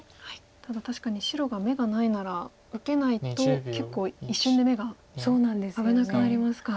ただ確かに白が眼がないなら受けないと結構一瞬で眼が危なくなりますか。